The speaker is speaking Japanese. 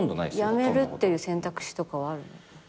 やめるっていう選択肢とかはあるの？